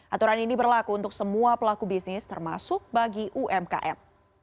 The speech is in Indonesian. aturan ini berlaku untuk semua pelaku bisnis termasuk bagi umkm